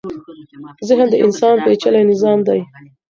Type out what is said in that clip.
ذهن د انسان پېچلی نظام دی.